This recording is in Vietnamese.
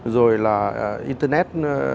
rồi là internet